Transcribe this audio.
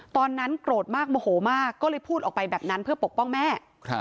ตอนนั้นโกรธมากโมโหมากก็เลยพูดออกไปแบบนั้นเพื่อปกป้องแม่